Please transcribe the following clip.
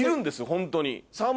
ホントに。